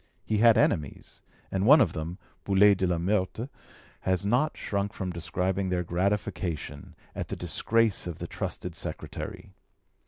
He had enemies, and one of them [Boulay de la Meurthe.] has not shrunk from describing their gratification at the disgrace of the trusted secretary.